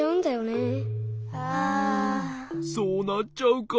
そうなっちゃうか。